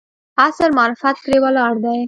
عصر معرفت پرې ولاړ دی.